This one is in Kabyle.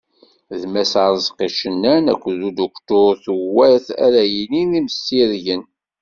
D Mass Arezqi Cennan akked uduktur Tuwat ara yilin d imsirgen.